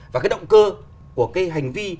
và cái động cơ của cái hành vi